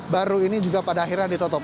baru ini juga pada akhirnya ditutup